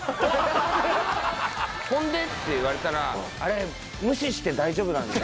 ほんで？って言われたら無視して大丈夫なんで。